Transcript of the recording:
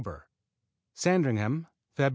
Sandringham Feb.